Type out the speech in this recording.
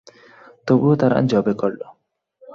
তবুও তারা তা যবেহ্ করল।